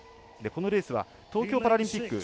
このレースは東京パラリンピック